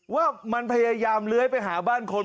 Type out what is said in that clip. ว่ามันพยายามเลื้อยไปหาบ้านคน